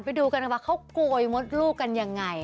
ไปดูกันว่าเขาโกยมดลูกกันยังไง